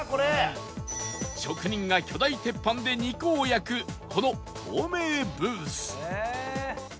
職人が巨大鉄板で肉を焼くこの透明ブース